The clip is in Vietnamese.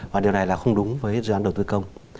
và điều này là không đúng với dự án đầu tư công